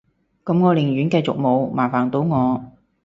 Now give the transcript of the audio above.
噉我寧願繼續冇，麻煩到我